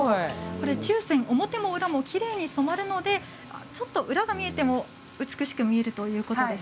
注染は表も裏もきれいに染まるのでちょっと裏が見えても美しく見えるということです。